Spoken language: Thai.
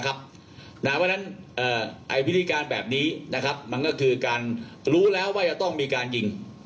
เพราะฉะนั้นวิธีการแบบนี้มันก็คือการรู้แล้วว่าจะต้องมีการยิง